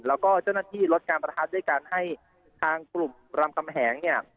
แล้วก็เจ้าหน้าที่ลดการประทัดด้วยการให้ทางกลุ่มรำกำแหงเนี่ย